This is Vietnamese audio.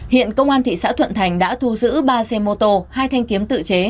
hiện công an thị xã thuận thành đã thu giữ ba xe mô tô hai thanh kiếm